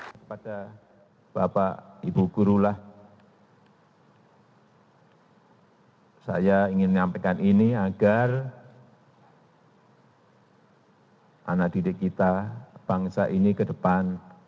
kepada bapak ibu gurulah saya ingin menyampaikan ini agar anak didik kita bangsa ini ke depan